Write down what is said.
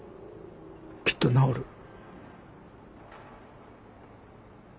きっと治る。